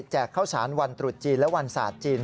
ข้าวสารวันตรุษจีนและวันศาสตร์จีน